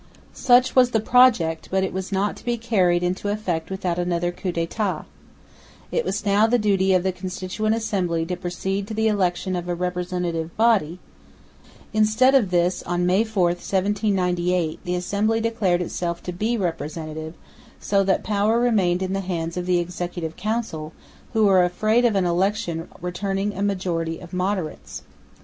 Such was the project, but it was not to be carried into effect without another coup d'état. It was now the duty of the Constituent Assembly to proceed to the election of a Representative Body. Instead of this, on May 4, 1798, the Assembly declared itself to be Representative, so that power remained in the hands of the Executive Council, who were afraid of an election returning a majority of "moderates."